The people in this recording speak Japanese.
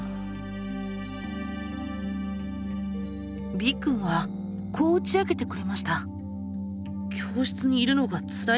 Ｂくんはこう打ち明けてくれました。